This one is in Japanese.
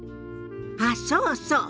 あっそうそう。